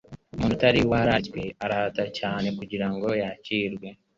umuntu utari wararitswe, arahata cyane kugira ngo yakirwe.